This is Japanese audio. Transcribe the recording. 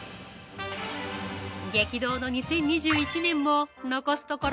激動の２０２１年も残すところ